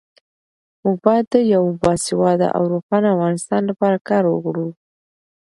موږ باید د یو باسواده او روښانه افغانستان لپاره کار وکړو.